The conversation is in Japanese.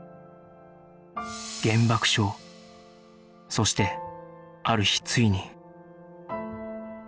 そしてある日ついに